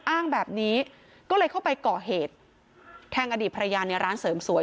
อ้างแบบนี้ก็เลยเข้าไปก่อเหตุแทงอดีตภรรยาในร้านเสริมสวย